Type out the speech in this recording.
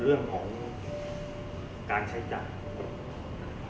มันประกอบกันแต่ว่าอย่างนี้แห่งที่